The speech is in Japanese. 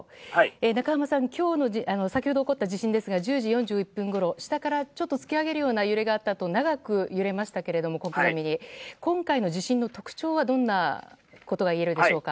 今日の先ほど起こった地震ですが１０時４１分ごろ下から突き上げるような揺れがあったあと長く揺れましたけれども今回の地震の特徴はどんなことがいえるでしょうか？